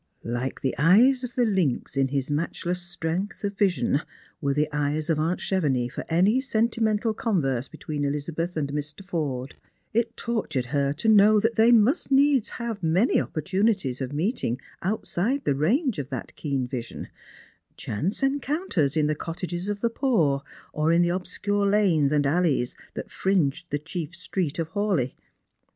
Like the eyes of the lynx, in his matchless strength of vision, were the eyes of aunt Chevenix for any sentimental converse between Elizabeth and Mr. Forde. It tortured her to know that they must needs have many opportunities of meeting out side the range of that keen vision — chance encounters in the cottages of the poor, or in the obscure lanes and alleys that fringed the chief street of Hawleigh.